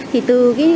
thì từ cái